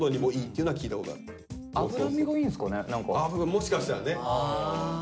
もしかしたらね。